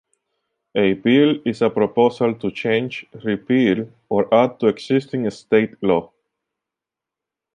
A bill is a proposal to change, repeal, or add to existing state law.